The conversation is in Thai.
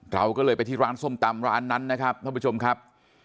เราก็เลยไปที่ร้านส้มตำร้านนั้นนะครับท่านผู้ชมครับ